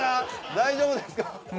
大丈夫ですか？